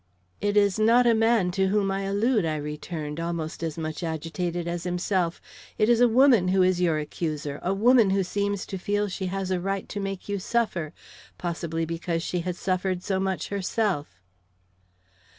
"It is not a man to whom I allude," I returned, almost as much agitated as himself. "It is a woman who is your accuser, a woman who seems to feel she has a right to make you suffer, possibly because she has suffered so much herself."